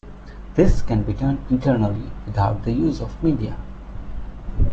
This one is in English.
This can be done internally, without the use of media.